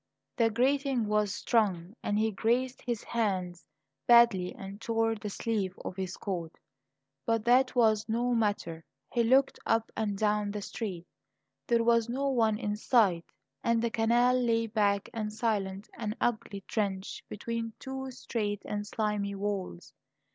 The grating was strong, and he grazed his hands badly and tore the sleeve of his coat; but that was no matter. He looked up and down the street; there was no one in sight, and the canal lay black and silent, an ugly trench between two straight and slimy walls.